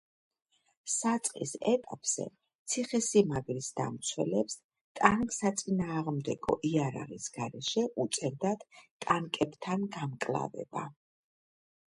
საწყის ეტაპზე, ციხესიმაგრის დამცველებს ტანკსაწინააღმდეგო იარაღის გარეშე უწევდათ ტანკებთან გამკლავება.